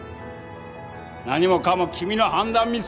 何もかも君の判断ミス！